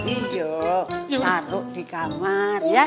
ini yuk taruh di kamar ya